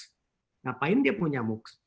mengapain dia punya moocs